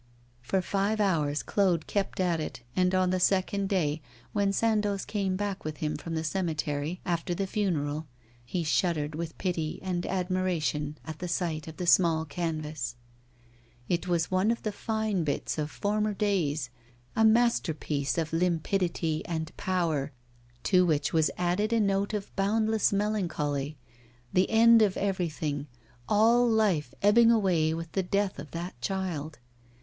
For five hours Claude kept at it, and on the second day, when Sandoz came back with him from the cemetery, after the funeral, he shuddered with pity and admiration at the sight of the small canvas. It was one of the fine bits of former days, a masterpiece of limpidity and power, to which was added a note of boundless melancholy, the end of everything all life ebbing away with the death of that child.